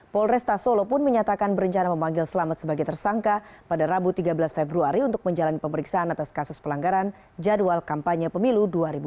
polresta solo pun menyatakan berencana memanggil selamat sebagai tersangka pada rabu tiga belas februari untuk menjalani pemeriksaan atas kasus pelanggaran jadwal kampanye pemilu dua ribu dua puluh